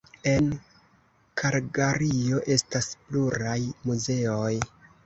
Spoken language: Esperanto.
En Kalgario estas pluraj muzeoj.